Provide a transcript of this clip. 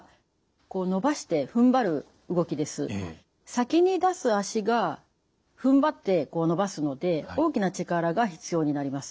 先に出す脚がふんばって伸ばすので大きな力が必要になります。